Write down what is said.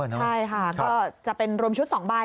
ใช่ค่ะก็จะเป็นรวมชุด๒ใบ